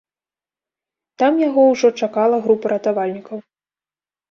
Там яго ўжо чакала група ратавальнікаў.